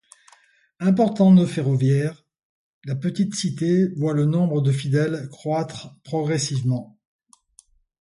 Important nœud ferroviaire, la petite cité voit le nombre de fidèles croître progressivement.